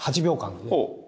８秒間で。